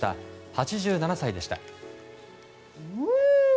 ８７歳でした。